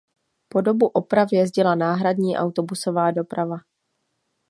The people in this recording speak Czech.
Po dobu oprav jezdila náhradní autobusová doprava.